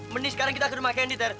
mending sekarang kita ke rumah candy ter